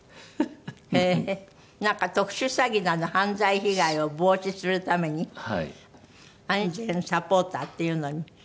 へえなんか特殊詐欺など犯罪被害を防止するために安全サポーターっていうのに任命された。